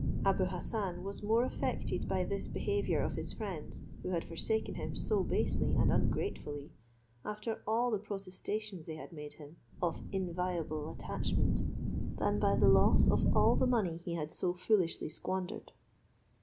Abou Hassan was more affected by this behaviour of his friends, who had forsaken him so basely and ungratefully, after all the protestations they had made him, of inviolable attachment, than by the loss of all the money he had so foolishly squandered.